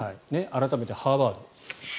改めてハーバード。